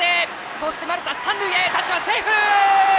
そして、丸田、タッチはセーフ！